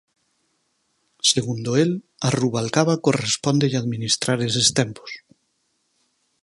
Segundo el, "a Rubalcaba correspóndelle administrar eses tempos".